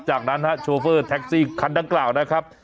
จากนั้นฮะโชเฟอร์แท็กซี่คันดังกล่าวนะครับ